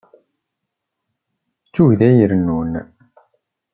D tuggdi ay irennun.